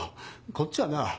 こっちはな